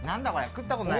食ったことない！